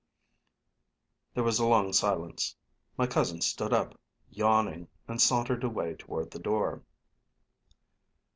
There was a long silence. My cousin stood up, yawning, and sauntered away toward the door.